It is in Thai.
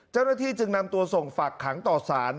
เจ้าหน้าที่จึงนำตัวส่งฝากขังต่อสาร